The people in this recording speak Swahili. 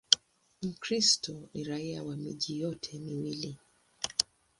Mkristo ni raia wa miji yote miwili.